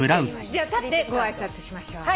じゃあ立ってご挨拶しましょう。